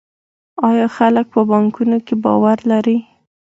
آیا خلک په بانکونو باور لري؟